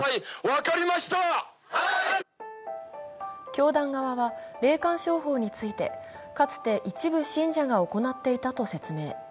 教団側は、霊感商法についてかつて一部信者が行っていたと説明。